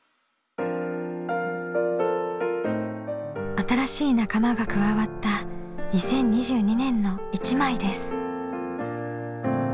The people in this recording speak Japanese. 新しい仲間が加わった２０２２年の１枚です。